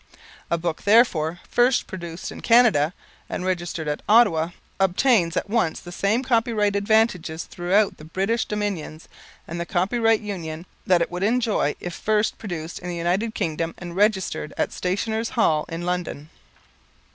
A book, therefore, first produced in Canada and registered at Ottawa, obtains at once the same copyright advantages throughout the British Dominions and the Copyright Union, that it would enjoy if first produced in the United Kingdom and registered at Stationers' Hall in London.